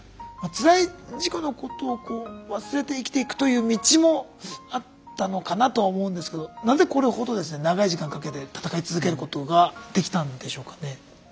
つらい事故のことをこう忘れて生きていくという道もあったのかなと思うんですけどなぜこれほどですね長い時間かけて闘い続けることができたんでしょうかね。